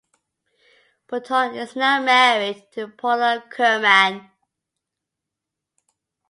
Bouton is now married to Paula Kurman.